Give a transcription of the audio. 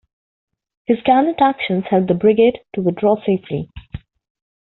His gallant actions helped the brigade to withdraw safely.